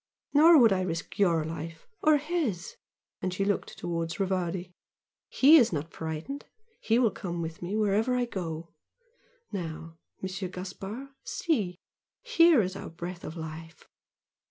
Nor would I risk YOUR life or HIS!" and she looked towards Rivardi "HE is not frightened he will come with me wherever I go! Now, Monsieur Gaspard, see! Here is our breath of life!"